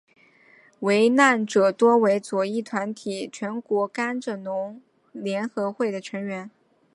罹难者多为左翼团体全国甘蔗农联合会的成员。